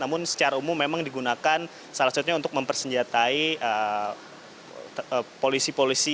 namun secara umum memang digunakan salah satunya untuk mempersenjatai polisi polisi